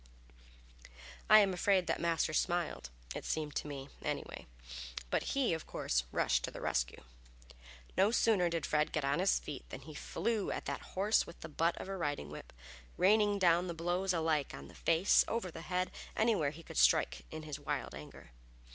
I am afraid that Master smiled, it seemed so to me, anyway; but he, of course, rushed to the rescue. No sooner did Fred get on his feet than he flew at that horse with the butt of a riding whip, raining down the blows alike on the face, over the head, anywhere he could strike in his wild anger.